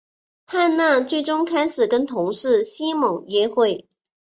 汉娜最终开始跟同事西蒙约会。